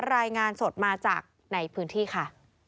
รายงานสดมาจากในพื้นที่ค่ะ